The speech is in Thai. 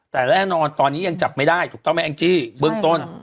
แต่แน่นอนตอนนี้ยังจับไม่ได้ถูกต้องไหมแองจี้เบื้องต้น